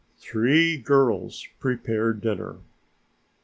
Three girls prepare dinner.